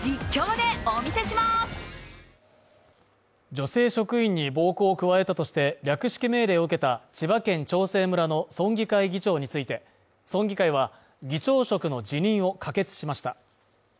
女性職員に暴行を加えたとして略式命令を受けた千葉県長生村の村議会議長について村議会は、議長職の辞任を可決しました。